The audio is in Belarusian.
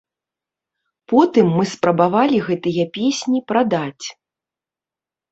Потым мы спрабавалі гэтыя песні прадаць.